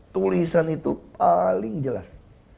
tulisan itu paling jelas